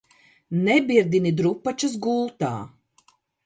Nebirdini drupa?as gult?!